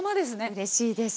うれしいです。